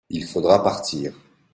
il faudra partir.